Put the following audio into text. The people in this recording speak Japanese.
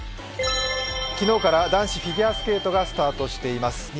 昨日から男子フィギュアスケートがスタートしています。